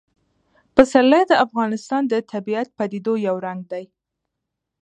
پسرلی د افغانستان د طبیعي پدیدو یو رنګ دی.